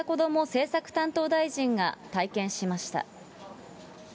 政策担当大臣が体験しました。